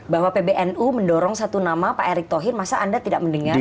bahwa pbnu mendorong satu nama pak erick thohir masa anda tidak mendengar